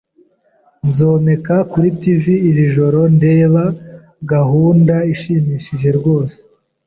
Nzomeka kuri TV iri joro ndeba gahunda ishimishije rwose.